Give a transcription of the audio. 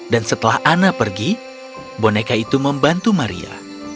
setelah ana pergi boneka itu membantu maria